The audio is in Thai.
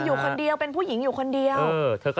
อยู่คนเดียวเป็นผู้หญิงอยู่คนเดียว